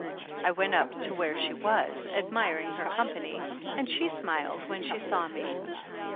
I weat up to where she was, admiring her company, and she smiled when she saw me.